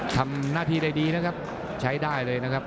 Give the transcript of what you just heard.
ทำหน้าที่ได้ดีนะครับใช้ได้เลยนะครับ